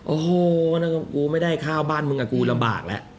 โอ้โหไม่ได้ข้าวบ้านมึงอะกูลำบากละ